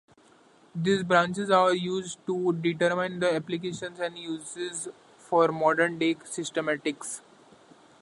These branches are used to determine the applications and uses for modern day systematics.